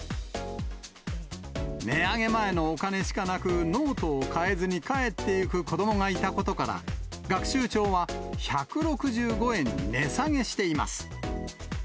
値上げ前のお金しかなく、ノートを買えずに帰ってゆく子どもがいたことから、学習帳は１６５円に値下げしています。